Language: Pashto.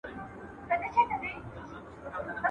په شيدو سوځلی مستې پو کي.